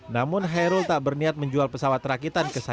namun kairul tak berniat menjual pesawat rakitan keseluruhan